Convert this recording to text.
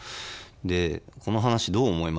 「この話どう思いますか？